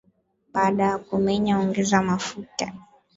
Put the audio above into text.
Baada ya kumenya ongeza mafuta